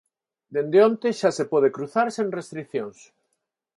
Dende onte xa se pode cruzar sen restricións.